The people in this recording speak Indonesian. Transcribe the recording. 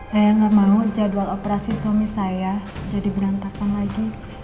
saya nggak mau jadwal operasi suami saya jadi berantakan lagi